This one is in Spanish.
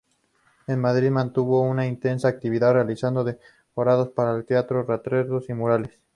En Madrid mantuvo una intensa actividad realizando decorados para el teatro, retratos y murales.